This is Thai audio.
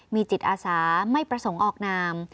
มีจิตอาสาไม่ประสงค์ออกนาม